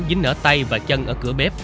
dính nở tay và chân ở cửa bếp